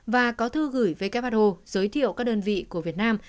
và có thư gửi who giới thiệu các đơn vị của việt nam